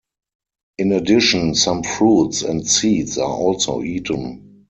In addition, some fruits and seeds are also eaten.